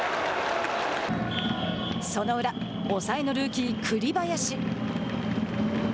その裏、抑えのルーキー栗林。